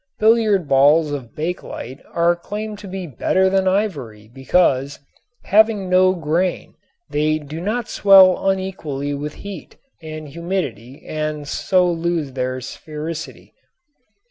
Billiard balls of bakelite are claimed to be better than ivory because, having no grain, they do not swell unequally with heat and humidity and so lose their sphericity.